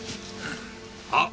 あっ！